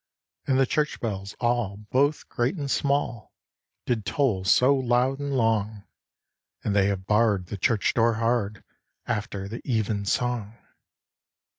And the church bells all, both great and small, Did toll so loud and long; And they have barr'd the church door hard, After the even song.